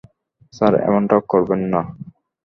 Sir, এমনটা করবেন না।